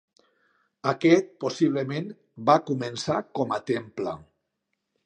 Aquest possiblement va començar com a temple.